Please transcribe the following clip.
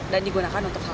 dan digunakan untuk berhasil